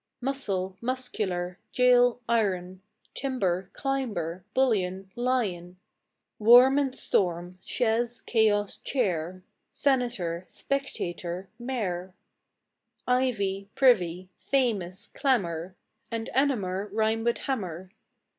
Muscle, muscular; gaol; iron; Timber, climber; bullion, lion, Worm and storm; chaise, chaos, chair; Senator, spectator, mayor. Ivy, privy; famous, clamour And enamour rime with "hammer."